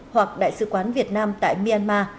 hoặc đại sứ quán việt nam tại myanmar